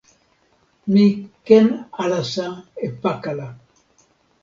mi ken alasa e pakala.